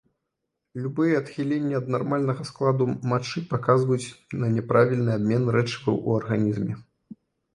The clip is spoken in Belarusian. Любыя адхіленні ад нармальнага складу мачы паказваюць на няправільны абмен рэчываў у арганізме.